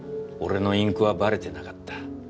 俺のインクはバレてなかった。